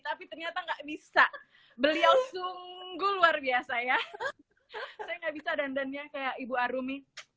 tapi ternyata nggak bisa beliau sungguh luar biasa ya saya nggak bisa dandannya kayak ibu arumi